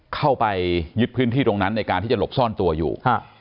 เข้าไปยึดพื้นที่ตรงนั้นในการที่จะหลบซ่อนตัวอยู่